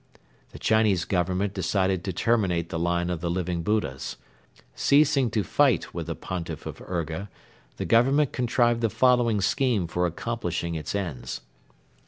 The Chinese Government decided to terminate the line of the Living Buddhas. Ceasing to fight with the Pontiff of Urga, the Government contrived the following scheme for accomplishing its ends.